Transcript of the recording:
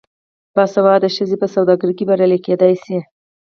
باسواده ښځې په سوداګرۍ کې بریالۍ کیدی شي.